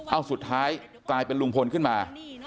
เอาสุดท้ายกลายเป็นลุงพลขึ้นมา